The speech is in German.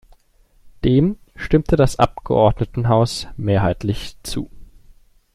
Dem stimmte das Abgeordnetenhaus mehrheitlich zu.